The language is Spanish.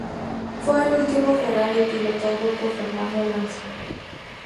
Fue el último Ferrari pilotado por Fernando Alonso.